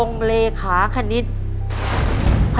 คุณยายแจ้วเลือกตอบจังหวัดนครราชสีมานะครับ